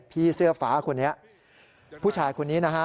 พี่เสื้อฟ้าคนนี้ผู้ชายคนนี้นะฮะ